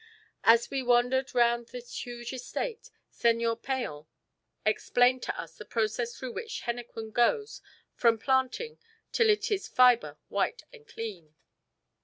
As we wandered round his huge estate, Señor Peon explained to us the process through which henequen goes from planting till it is fibre white and clean.